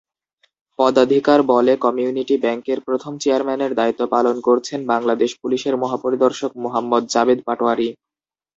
পদাধিকার বলে কমিউনিটি ব্যাংকের প্রথম চেয়ারম্যানের দায়িত্ব পালন করছেন বাংলাদেশ পুলিশের মহাপরিদর্শক মোহাম্মদ জাবেদ পাটোয়ারী।